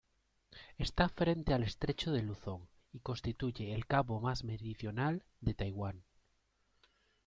Esta frente al estrecho de Luzón, y constituye el cabo más meridional de Taiwán.